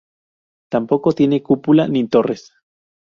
Tampoco tiene cúpula ni torres.